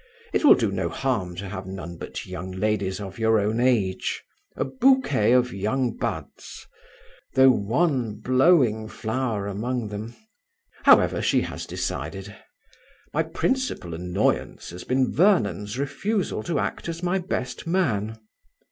It will do no harm to have none but young ladies of your own age; a bouquet of young buds: though one blowing flower among them ... However, she has decided. My principal annoyance has been Vernon's refusal to act as my best man."